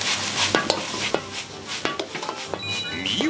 見よ！